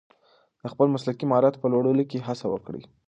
د خپل مسلکي مهارت په لوړولو کې هڅه وکړئ.